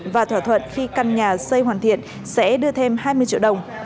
và thỏa thuận khi căn nhà xây hoàn thiện sẽ đưa thêm hai mươi triệu đồng